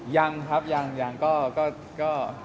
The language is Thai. ยังครับยังก็